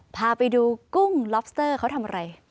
พาไปดูกุ้งล็อบสเตอร์เขาทำอะไร